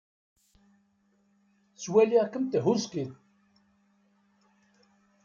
Ttwaliɣ-kem tehhuskid.